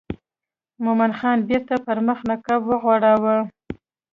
مومن خان بیرته پر مخ نقاب وغوړاوه.